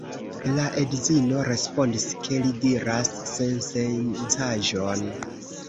La edzino respondis, ke li diras sensencaĵon.